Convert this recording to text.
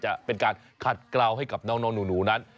จะเป็นการขัดกล่าวให้กับน้องหนูนั้น